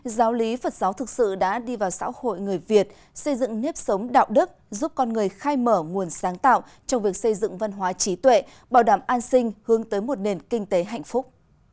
giáo lý phật giáo thực sự đã đi vào xã hội người việt xây dựng nếp sống đạo đức giúp con người khai mở nguồn sáng tạo trong việc xây dựng văn hóa trí tuệ bảo đảm an sinh hướng tới một nền kinh tế hạnh phúc